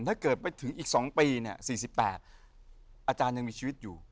ถ้าเกิดไปถึงอีก๒ปี๔๘อาจารย์ยังมีชีวิตอยู่